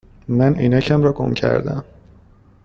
من عینکم را گم کرده ام.